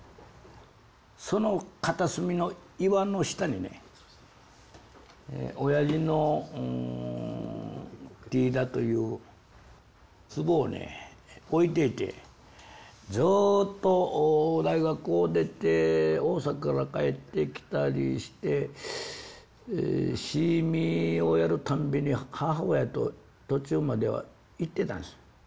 その片隅の岩の下にね親父のティーダという壺をね置いといてずっと大学を出て大阪から帰ってきたりしてシーミーをやるたんびに母親と途中までは行ってたんです。